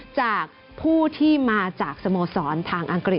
จากผู้ที่มาจากสโมสรทางอังกฤษ